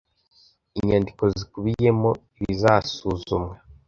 inyandiko zikubiyemo ibizasuzumwa